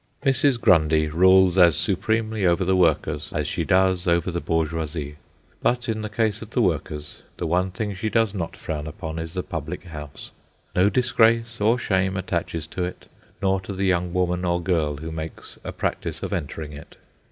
Mrs. Grundy rules as supremely over the workers as she does over the bourgeoisie; but in the case of the workers, the one thing she does not frown upon is the public house. No disgrace or shame attaches to it, nor to the young woman or girl who makes a practice of entering it.